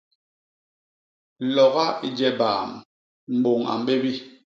Loga i je baam, mbôñ a mbébi.